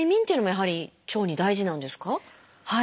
はい。